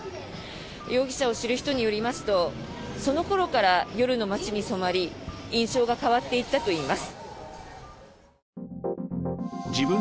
容疑者を知る人によりますとその頃から夜の街に染まり、印象が変わっていったといいます。